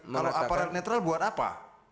kalau aparat netral buat apa